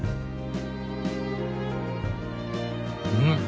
うん！